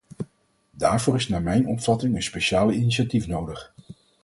Daarvoor is naar mijn opvatting een speciaal initiatief nodig.